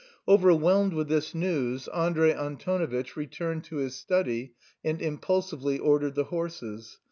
Overwhelmed with this news, Andrey Antonovitch returned to his study and impulsively ordered the horses.